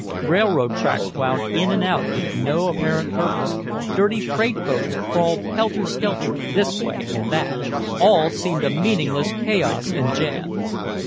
Railroad tracks wound in and out with no apparent purpose, dirty freight boats crawled helter skelter this way and that. All seemed a meaningless chaos and jam.